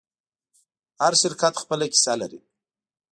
هر شرکت خپله کیسه لري.